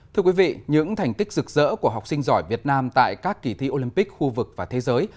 thưa quý vị những thành tích rực rỡ của học sinh giỏi việt nam tại các kỳ thi olympic khu vực và thế giới